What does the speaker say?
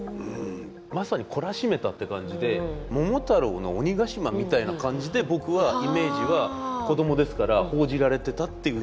まさに懲らしめたって感じで「桃太郎」の鬼ヶ島みたいな感じで僕はイメージは子供ですから報じられてたっていう印象ですね。